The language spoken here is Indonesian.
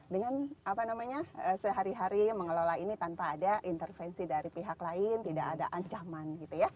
dengan sehari hari mengelola ini tanpa ada intervensi dari pihak lain tidak ada ancaman